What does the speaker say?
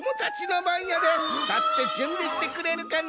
たってじゅんびしてくれるかな。